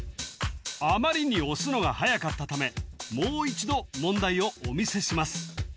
あまりに押すのがはやかったためもう一度問題をお見せします